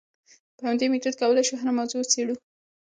په همدې میتود کولای شو هره موضوع وڅېړو.